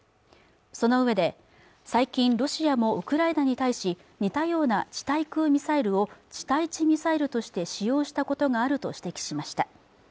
そのうえで最近ロシアもウクライナに対し似たような地対空ミサイルを地対地ミサイルとして使用したことがあると指摘しました